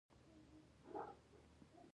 هوږه د وینې فشار کنټرولوي